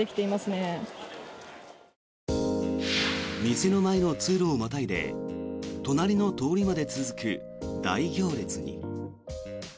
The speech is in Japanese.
店の前の通路をまたいで隣の通りまで続く大行列に。